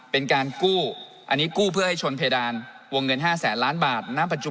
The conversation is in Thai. เป็นการกู้เพื่อให้ชนเพดานวงเงิน๕แสนล้านบาท